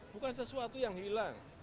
bukan sesuatu yang hilang